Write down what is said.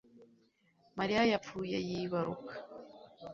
Mariya yapfuye yibaruka